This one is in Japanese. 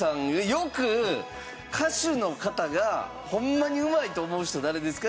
よく歌手の方がホンマにうまいと思う人誰ですか？